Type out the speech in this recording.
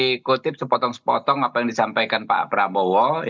dikutip sepotong sepotong apa yang disampaikan pak prabowo